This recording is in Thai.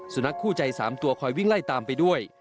สุนัขคู่ใจ๓ตัวคอยวิ่งไล่ตามไปด้วย